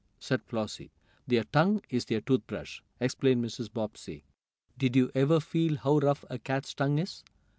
said Flossie. "Their tongue is their tooth brush," explained Mrs. Bobbsey. "Did you ever feel how rough a cat's tongue is?"